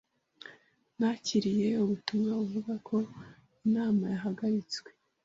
Nakiriye ubutumwa buvuga ko inama yahagaritswe.